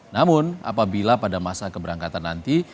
namun apabila pada masa keberangkatan nanti